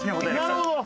なるほど。